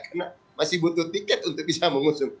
karena masih butuh tiket untuk bisa mengusung